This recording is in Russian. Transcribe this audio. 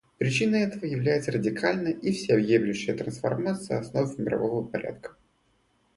Причиной этого является радикальная и всеобъемлющая трансформация основ мирового порядка.